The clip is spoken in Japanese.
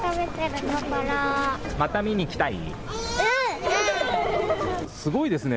また見にきたい？